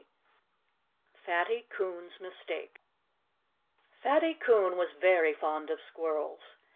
IV FATTY COON'S MISTAKE Fatty Coon was very fond of squirrels.